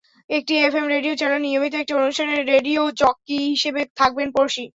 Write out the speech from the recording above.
একটি FM radio চ্যানেলে নিয়মিত একটি অনুষ্ঠানে রেডিও জকি হিসেবে থাকবেন পড়শী।